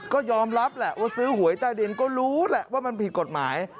ก็ยอมรับแหละว่าซื้อหวยใต้ดินก็รู้แหละว่ามันผิดกฎหมาย